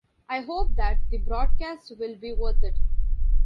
I hope that the broadcast will be worth it.